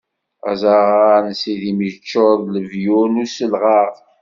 Azaɣar n Sidim iččuṛ d lebyur n uselɣaɣ.